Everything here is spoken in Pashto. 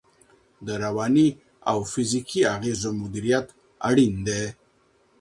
د رواني او فزیکي اغېزو مدیریت اړین دی.